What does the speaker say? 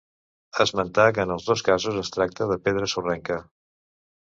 Esmentar que en els dos casos es tracta de pedra sorrenca.